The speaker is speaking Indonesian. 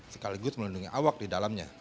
sekaligus melindungi awak di dalamnya